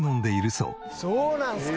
そうなんすか。